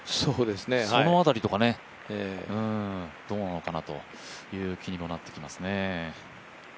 その辺りはどうなのかなという気にもなってきますけどね。